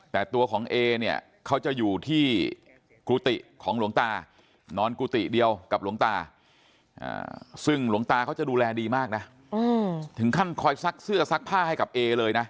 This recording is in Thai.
แต่ตัวของเอเนี่ยเขาจะอยู่ที่กุฏิของหลวงตานอนกุฏิเดียวกับหลวงตาซึ่งหลวงตาเขาจะดูแลดีมากนะถึงขั้นคอยซักเสื้อซักผ้าให้กับเอเลยนะ